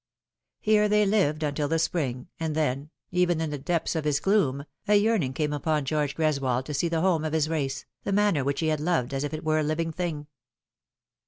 Here they lived until the spring, and then, even in the depths of his gloom, a yearning came upon George G reswold to see the home of his race, the manor which he had loved as if it were a living thing.